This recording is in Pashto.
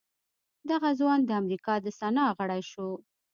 دغه ځوان د امريکا د سنا غړی شو.